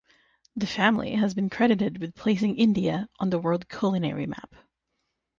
The family has been credited with placing India on the world culinary map.